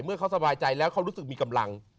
เมื่อเขาสบายใจแล้วเขารู้สึกมีกำลัง